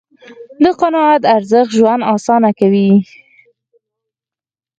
د قناعت ارزښت ژوند آسانه کوي.